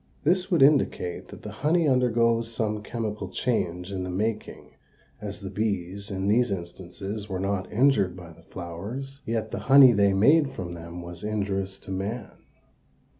This would indicate that the honey undergoes some chemical change in the making, as the bees, in these instances, were not injured by the flowers, yet the honey they made from them was injurious to man.